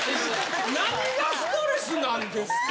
・何がストレスなんですか？